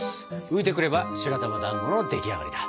浮いてくれば白玉だんごの出来上がりだ！